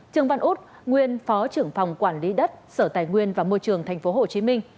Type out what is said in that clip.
trường văn út nguyên phó trưởng phòng quản lý đất sở tài nguyên và môi trường tp hcm